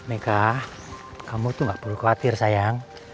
eka kamu tuh nggak perlu khawatir sayang